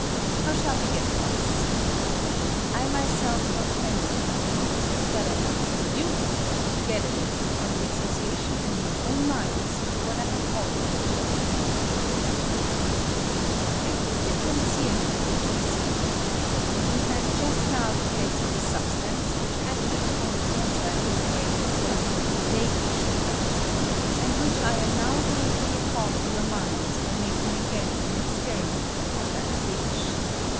How shall we get at this? I myself know plenty of ways, but I want you to get at it from the association in your own minds of what I have abeady told you. I think you can see a little in this way. We had just now the case of a substance which acted upon the water in the way that Sir Humphrey Davy showed us,(") and which I am now going to recall to your minds by making again an experiment upon that dish.